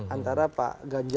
antara pak ganjar